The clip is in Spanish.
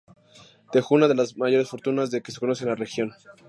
Dejó una de las mayores fortunas que se conoce en la región.